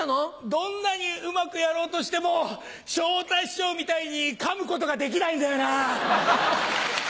どんなにうまくやろうとしても昇太師匠みたいに噛むことができないんだよな！